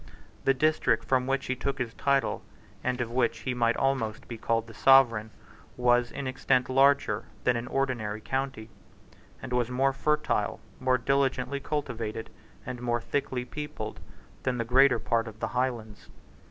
The district from which he took his title, and of which he might almost be called the sovereign, was in extent larger than an ordinary county, and was more fertile, more diligently cultivated, and more thickly peopled than the greater part of the Highlands.